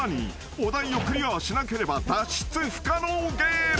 ［お題をクリアしなければ脱出不可能ゲーム］